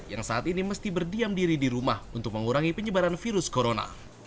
yang saat ini mesti berdiam diri di rumah untuk mengurangi penyebaran virus corona